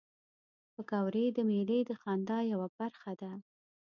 پکورې د میلې د خندا یوه برخه ده